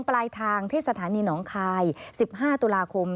ปลายทางที่สถานีหนองคาย๑๕ตุลาคม